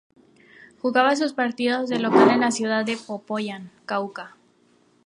Jugaba sus partidos de local en la ciudad de Popayán, Cauca.